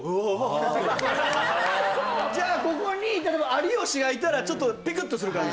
じゃあここに例えば有吉がいたらちょっとピクッとする感じ？